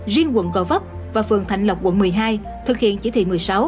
riêng quận gò vấp và phường thạnh lộc quận một mươi hai thực hiện chỉ thị một mươi sáu